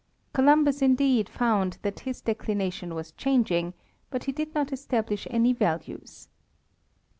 Columbus, indeed, found that his declination was changing, but he did not establish any values.